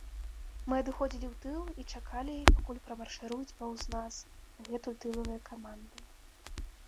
Мы адыходзілі ў тыл і чакалі, пакуль прамаршыруюць паўз нас дагэтуль тылавыя каманды.